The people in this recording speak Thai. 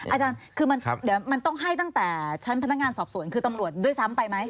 อาจารย์คือมันเดี๋ยวมันต้องให้ตั้งแต่ชั้นพนักงานสอบสวนคือตำรวจด้วยซ้ำไปไหม